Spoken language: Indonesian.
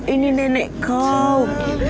ini nenek kau